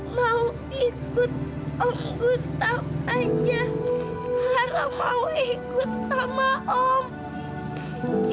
lara mau ikut om gus